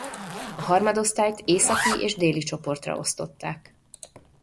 A harmadosztályt északi és déli csoportra osztották.